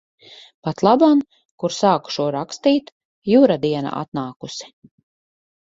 Patlaban, kur sāku šo rakstīt, Jura diena atnākusi.